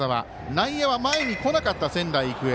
内野は前に来なかった、仙台育英。